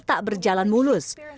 tak berjalan mulus